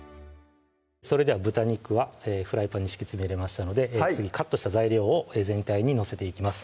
それでは豚肉はフライパンに敷き詰めれましたので次カットした材料を全体に載せていきます